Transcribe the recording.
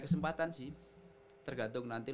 kesempatan sih tergantung nanti